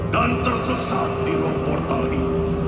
dan tersesat di ruang portal ini